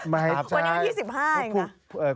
ไม่ใช่วันนี้วัน๒๕อย่างนั้น